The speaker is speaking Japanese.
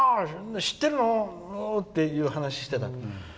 知ってるよっていう話をしてたの。